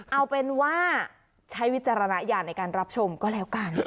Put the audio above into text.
เอาเป็นว่าใช้วิจารณญาณในการรับชมก็แล้วกัน